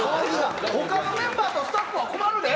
他のメンバーとスタッフは困るで。